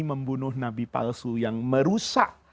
membunuh nabi palsu yang merusak